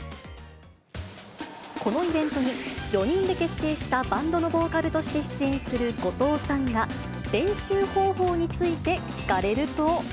このイベントに、４人で結成したバンドのボーカルとして出演する後藤さんが、練習方法について聞かれると。